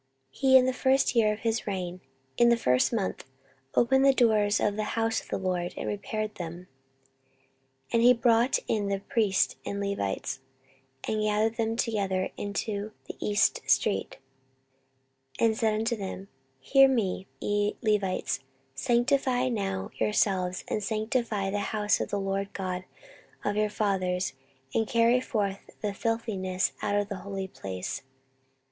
14:029:003 He in the first year of his reign, in the first month, opened the doors of the house of the LORD, and repaired them. 14:029:004 And he brought in the priests and the Levites, and gathered them together into the east street, 14:029:005 And said unto them, Hear me, ye Levites, sanctify now yourselves, and sanctify the house of the LORD God of your fathers, and carry forth the filthiness out of the holy place.